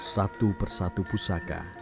satu persatu pusaka